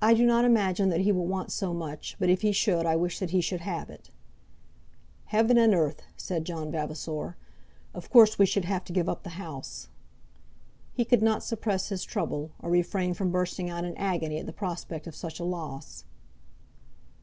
"I do not imagine that he will want so much; but if he should, I wish that he should have it." "Heaven and earth!" said John Vavasor. "Of course we should have to give up the house." He could not suppress his trouble, or refrain from bursting out in agony at the prospect of such a loss.